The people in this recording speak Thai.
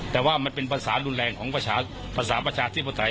แต่ว่ามันเป็นภาษารุนแรงของประชาภาษาประชาสิทธิภาษาไทย